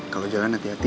kalau jalan hati hati